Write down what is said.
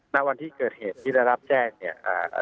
ณวันที่เกิดเหตุที่ได้รับแจ้งเนี่ย